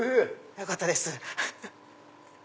よかったです。